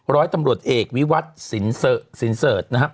ร้อยตำรวจเอกวิวัตรสินเสิร์ชนะครับ